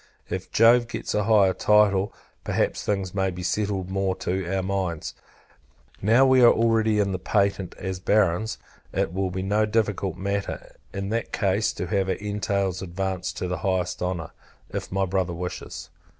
If Jove gets a higher title, perhaps things may be settled more to our minds. Now we are already in the patent, as Barons; it will be no difficult matter, in that case, to have our entails advanced to the highest honour, if my brother wishes.